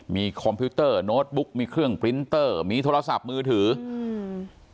มีคอมพิวเตอร์โน้ตบุ๊กมีเครื่องปรินเตอร์มีโทรศัพท์มือถืออืม